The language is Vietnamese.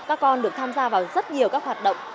các con được tham gia vào rất nhiều các hoạt động